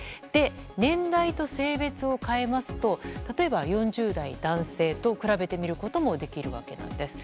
年代と性別を変えますと例えば４０代男性と比べてみることもできます。